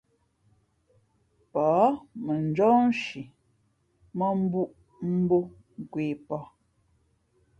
Pα̌h mαnjɔ́h nshi mᾱmbūꞌ mbō nkwe pαh.